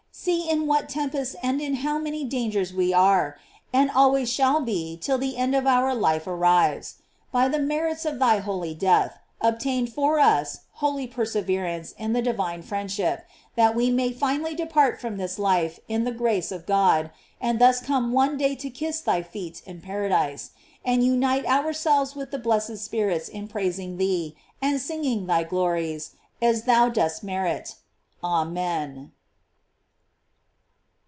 See in what tempests and in how many dangers we are, and always shall be, till the end of our life arrives. By the merits of thy holy death, obtain for us holy perseverance in the divine friendship, that we may finally depart from this life in the grace of God, and thus come one day to kiss thy feet in paradise, and unite ourselves with the blessed spirits in praising thee, and singing thy glories, as thou dost merit. Amen.